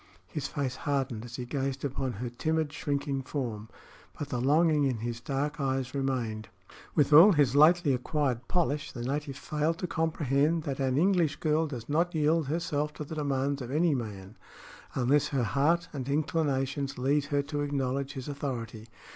His face hardened as he gazed upon her timid, shrinking form, but the longing in his dark eyes remained. With all his lately acquired polish, the native failed to comprehend that an English girl does not yield herself to the demands of any man unless her heart and inclinations lead her to acknowledge his authority.